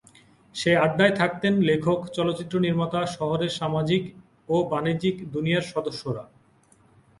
সেই আড্ডায় থাকতেন লেখক, চলচ্চিত্র নির্মাতা, শহরের সামাজিক ও বাণিজ্যিক দুনিয়ার সদস্যরা।